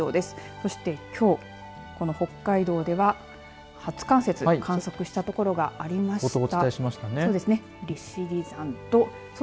そしてきょう、この北海道では初冠雪観測した所がありました。